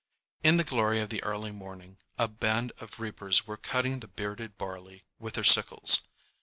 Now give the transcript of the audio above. In the glory of the early morning, a band of reapers were cutting the bearded barley with their sickles.